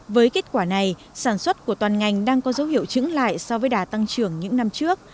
với kết quả này sản xuất của toàn ngành đang có dấu hiệu trứng lại so với đả tăng trưởng những năm trước